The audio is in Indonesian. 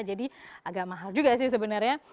jadi agak mahal juga sih sebenarnya